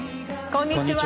こんにちは。